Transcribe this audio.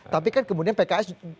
tapi kan kemudian pks